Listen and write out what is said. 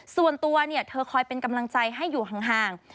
ส่วนตัวเธอคอยเป็นกำลังใจให้อยู่ห่าง